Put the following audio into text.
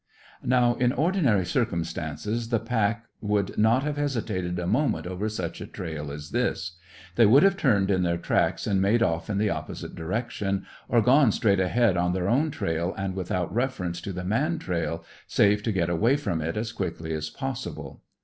Now in ordinary circumstances the pack would not have hesitated a moment over such a trail as this. They would have turned in their tracks and made off in the opposite direction, or gone straight ahead on their own trail and without reference to the man trail, save to get away from it as quickly as possible.